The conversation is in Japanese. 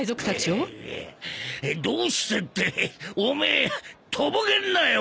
どうしてってオメエとぼけんなよ！